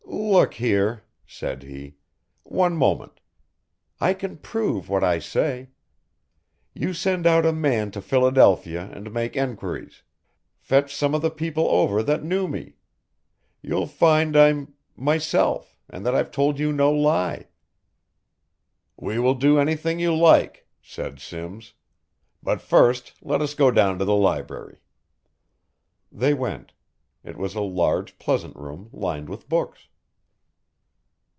"Look here," said he, "one moment. I can prove what I say. You send out a man to Philadelphia and make enquiries, fetch some of the people over that knew me. You'll find I'm myself and that I've told you no lie." "We will do anything you like," said Simms, "but first let us go down to the library." They went. It was a large, pleasant room lined with books.